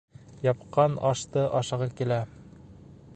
Япҡан ашты ашағы килә.